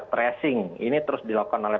tracing ini terus dilakukan oleh